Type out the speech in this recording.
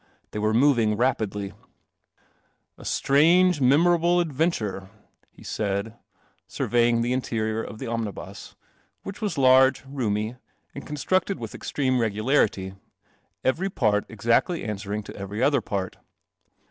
They were moving rapidly. "\ strange, a memorable adventure," be said, surveying the interior of the omnibus, which :r. , ami constructed with extreme ul iritv, every part exactly answering t< i every Other part.